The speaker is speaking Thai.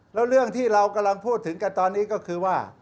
แล้วเรื่องที่เรากำลังพูดถึงกันตอนนี้ก็คือว่า